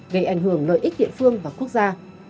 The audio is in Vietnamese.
gây ảnh hưởng lợi ích địa phương và quốc gia